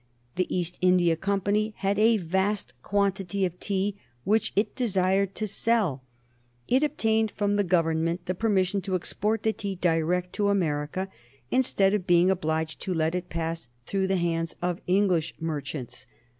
The East India Company had a vast quantity of tea which it desired to sell. It obtained from the Government the permission to export the tea direct to America instead of being obliged to let it pass through the hands of English merchants.